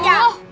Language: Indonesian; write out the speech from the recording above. aduh apaan sih